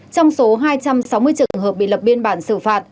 trong số hai trăm sáu mươi trường hợp bị lập biên bản xử phạt